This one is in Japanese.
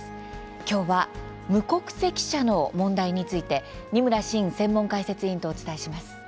今日は「無国籍者」の問題について二村伸専門解説委員とお伝えします。